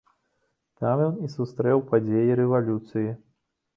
Там ён і сустрэў падзеі рэвалюцыі.